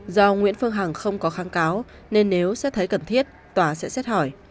do nguyễn phương hằng không có kháng cáo nên nếu xét thấy cần thiết tòa sẽ xét hỏi